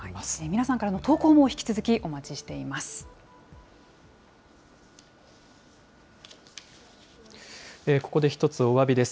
皆さんからの投稿も引き続きお待ちしています。